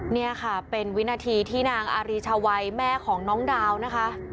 นี่ค่ะเป็นวินาทีที่นางอารีชาวัยแม่ของน้องดาวนะคะ